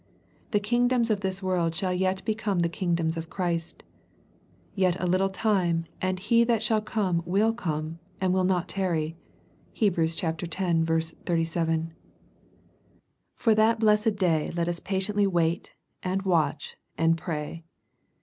The kingdoms of this world shall yet become the kingdoms of Christ. Yet a little time and He that shall come will come, and will not tarry. (Heb. x. 37 ) For that blessed day let us patiently wait, and watch, and pray.